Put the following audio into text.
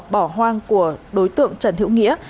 bỏ hoang của đối tượng trần hiễu nghĩa